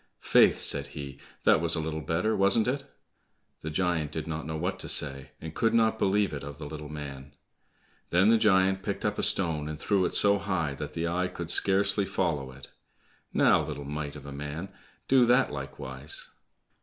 "Faith," said he, "that was a little better, wasn't it?" The giant did not know what to say, and could not believe it of the little man. Then the giant picked up a stone and threw it so high that the eye could scarcely follow it. "Now, little mite of a man, do that likewise."